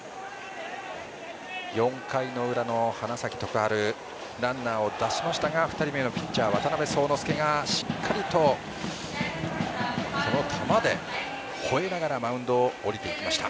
４回の裏の花咲徳栄ランナーを出しましたが２人目のピッチャー渡邉聡之介がしっかりとこの球でほえながらマウンドを降りていきました。